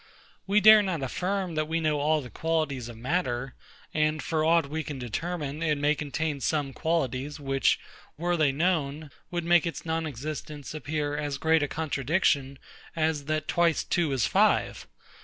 We dare not affirm that we know all the qualities of matter; and for aught we can determine, it may contain some qualities, which, were they known, would make its non existence appear as great a contradiction as that twice two is five.